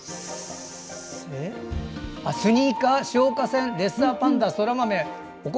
スニーカー、消火栓レッサーパンダ、そら豆、お米。